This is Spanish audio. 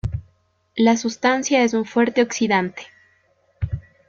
La sustancia es un fuerte oxidante.